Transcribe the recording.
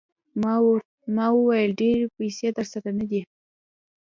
ما وویل ډېرې پیسې درسره نه دي.